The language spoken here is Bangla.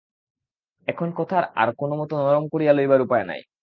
এখন কথাটা আর কোনোমতে নরম করিয়া লইবার উপায় নাই।